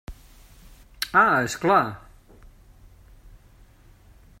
Ah, és clar.